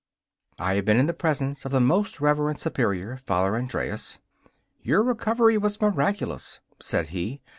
19 I have been in the presence of the most reverend Superior, Father Andreas. 'Your recovery was miraculous,' said he.